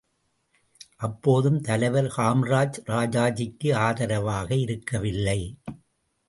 அப்போதும் தலைவர் காமராஜ் ராஜாஜிக்கு ஆதரவாக இருக்கவில்லை.